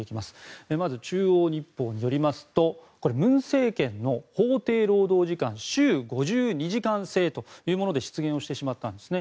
まず中央日報文政権の法定労働時間週５２時間制というもので失言をしてしまったんです。